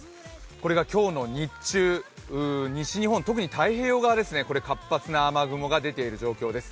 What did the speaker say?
これが今日の日中、西日本特に太平洋側ですね、活発な雨雲が出ている状況です。